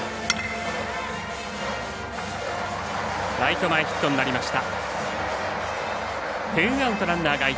ライト前ヒットになりました。